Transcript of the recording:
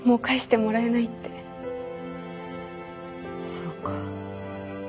そうか。